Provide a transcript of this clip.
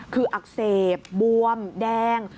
คืออักเสบบวมแดง